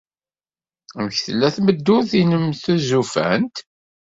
Amek tella tmeddurt-nnem tuzufant?